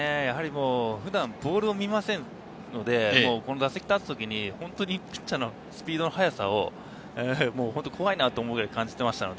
普段ボールを見ませんので、打席に立つときにピッチャーのスピードの速さを怖いなと思うくらい感じていました。